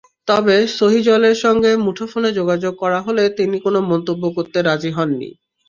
তবে সহিজলের সঙ্গে মুঠোফোনে যোগাযোগ করা হলে তিনি কোনো মন্তব্য করতে রাজি হননি।